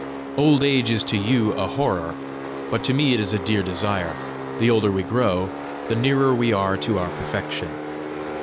Old age is to you a horror; to me it is a dear desire: the older we grow, the nearer we are to our perfection.